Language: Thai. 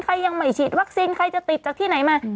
ใครยังไม่ฉีดวัคซีนใครจะติดจากที่ไหนมา